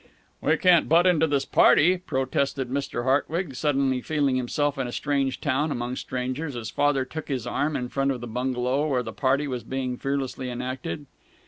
"We can't butt into this party," protested Mr. Hartwig, suddenly feeling himself in a strange town, among strangers, as Father took his arm in front of the bungalow where the party was being fearlessly enacted.